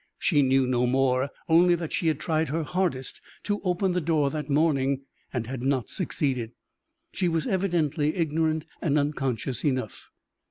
She knew no more, only that she had tried her hardest to open the door that morning, and had not succeeded. She was evidently ignorant and unconscious enough.